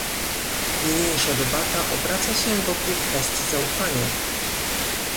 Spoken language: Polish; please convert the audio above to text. Niniejsza debata obraca się wokół kwestii zaufania